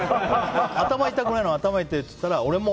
頭痛くないのに頭痛いって言ったら、俺も！